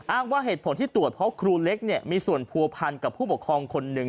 ว่าเหตุผลที่ตรวจเพราะครูเล็กเนี่ยมีส่วนผัวพันกับผู้ปกครองคนหนึ่ง